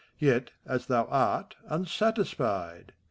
Yet, as thou art, unsatisfied.